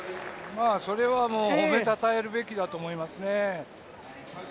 それはもう褒め称えるべきだと思いますね。